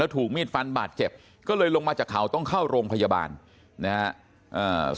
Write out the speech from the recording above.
ถูกมีดฟันบาดเจ็บก็เลยลงมาจากเขาต้องเข้าโรงพยาบาลนะฮะ